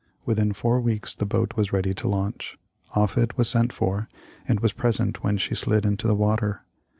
Within four weeks the boat was ready to launch. Offut was sent for, and was present when she slid into the water.